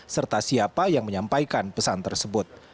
serta siapa yang menyampaikan pesan tersebut